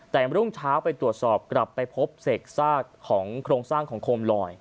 แต่รุ่งเช้าไปตรวจสอบกลับไปพบเศษซากของโครงสร้างของโคมลอย